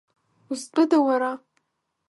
Узтәыда уара?